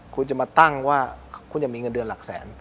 คุณจะมาตั้งว่าคุณจะมีเงินเดือนหลักแสน